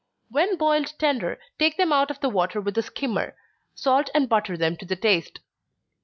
When boiled tender, take them out of the water with a skimmer, salt and butter them to the taste.